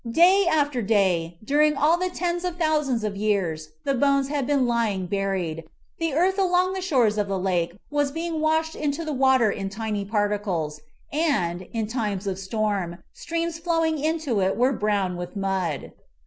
Day after day, during all the tens of thousands of years the bones had been lying buried, the earth along the shores of the lake was being washed into the water in tiny particles and, in times of storm, the streams flowing into it were brown with mud.